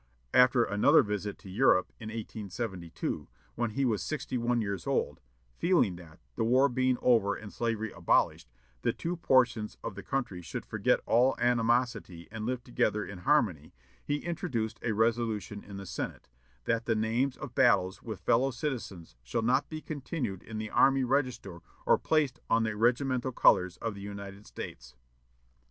After another visit to Europe, in 1872, when he was sixty one years old, feeling that, the war being over and slavery abolished, the two portions of the country should forget all animosity and live together in harmony, he introduced a resolution in the Senate, "That the names of battles with fellow citizens shall not be continued in the army register or placed on the regimental colors of the United States."